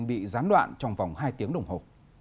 bị gián đoạn trong vòng hai tiếng đồng hồ